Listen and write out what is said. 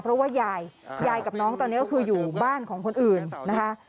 เพราะว่ายายยายกับน้องตอนนี้ก็คืออยู่บ้านของคนอื่นนะคะ